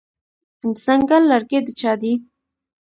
د ځنګل لرګي د چا دي؟